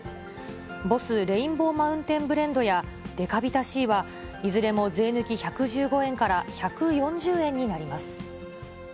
ボスレインボーマウンテンブレンドやデカビタＣは、いずれも税抜き１１５円から１４０円になります。